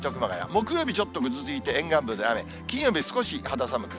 木曜日ちょっとくずついて、沿岸部で雨、金曜日、少し肌寒く。